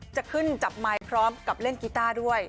จะขึ้นจับไมค์พร้อมกับเล่นกีต้าด้วย